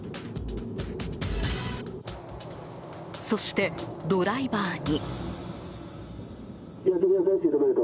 そして、ドライバーに。